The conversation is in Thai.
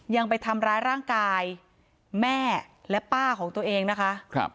ยังไปทำร้ายร่างกายแม่และป้าของตัวเองนะคะ